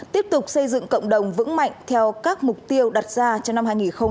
tiếp tục xây dựng cộng đồng vững mạnh theo các mục tiêu đặt ra cho năm hai nghìn hai mươi